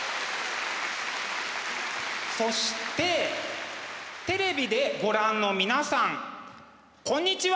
そしてテレビでご覧の皆さんこんにちは！